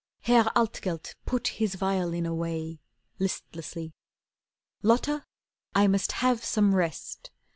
Herr Altgelt put his violin away Listlessly. "Lotta, I must have some rest.